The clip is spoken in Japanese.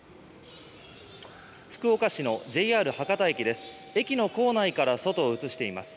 福岡市のＪＲ博多駅です。